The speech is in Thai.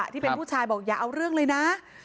ที่เป็นผู้ชายบอกอย่าเอาเรื่องเลยนะ